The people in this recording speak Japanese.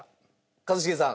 一茂さん。